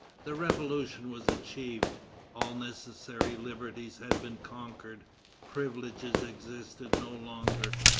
The Revolution was achieved. All necessary liberties had been conquered. Privileges existed no longer.